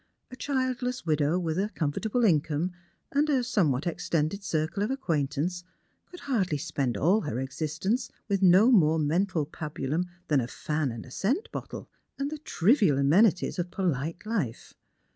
A childless widow, with a comfortable in come and a somewhat extended circle of acquaintance, could hardly spend all her existence with no more mental pabulum than a fan and a scent bottle, and the trivial amenities of i^olite life.